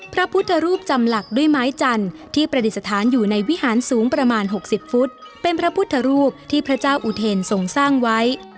พระพุทธรูปจำหลักด้วยไม้จันทร์ที่ประดิษฐานอยู่ในวิหารสูงประมาณ๖๐ฟุตเป็นพระพุทธรูปที่พระเจ้าอุเทรนทรงสร้างไว้